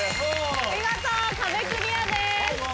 見事壁クリアです。